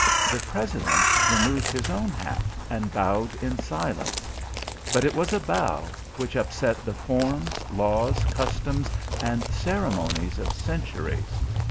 The President removed his own hat, and bowed in silence; but it was a bow which upset the forms, laws, customs, and ceremonies of centuries.